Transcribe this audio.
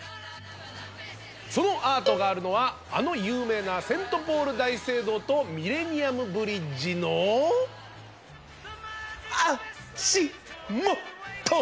そのアートがあるのはあの有名なセント・ポール大聖堂とミレニアム・ブリッジのあ・し・も・と！